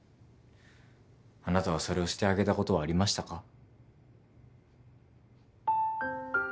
あなたはそれをしてあげたことはありましたか？